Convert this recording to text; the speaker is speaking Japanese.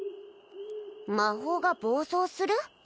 魔法が暴走する？